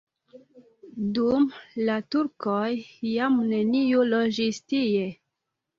Dum la turkoj jam neniu loĝis tie.